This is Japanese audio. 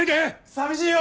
寂しいよ！